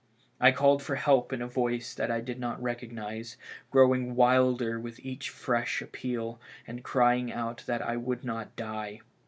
I called for help in a voice that I did not recognize, growing wilder with each fresh appeal, and crying out that I would not die.